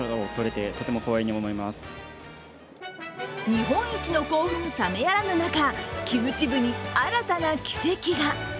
日本一の興奮冷めやらぬ中キムチ部に新たな奇跡が。